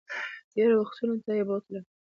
تېرو وختونو ته یې بوتلم